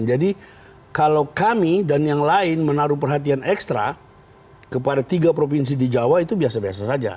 jadi kalau kami dan yang lain menaruh perhatian ekstra kepada tiga provinsi di jawa itu biasa biasa saja